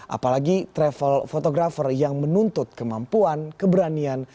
apalagi travel photographer yang menuntut kemampuan keberanian